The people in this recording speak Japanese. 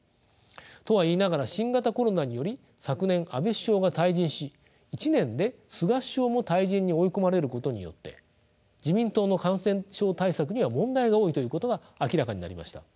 とはいいながら新型コロナにより昨年安倍首相が退陣し１年で菅首相も退陣に追い込まれることによって自民党の感染症対策には問題が多いということが明らかになりました。